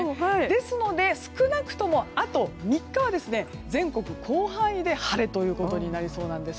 ですので、少なくともあと３日は全国広範囲で晴れということになりそうなんです。